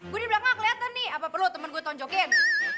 gue di belakang kelihatan nih apa perlu temen gue tonjokin